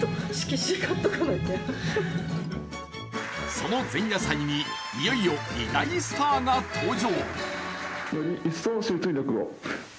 その前夜祭に、いよいよ二大スターが登場。